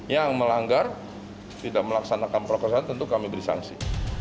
yang melanggar tidak melaksanakan prokosaan tentu kami beri sanksi